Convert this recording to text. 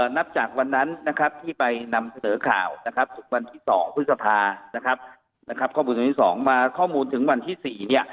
นับจากวันนั้นที่ไปนำเสนอข่าวทุกวันที่๒พฤษภาข้อมูลที่๒มาข้อมูลถึงวันที่๔